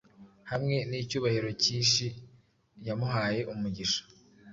hamwe nicyubahiro cyishi yamuhaye umugisha